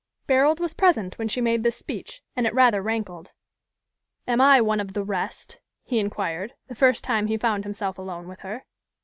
Barold was present when she made this speech, and it rather rankled. "Am I one of 'the rest'?" he inquired, the first time he found himself alone with her.